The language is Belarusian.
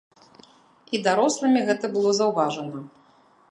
І дарослымі гэта было заўважана.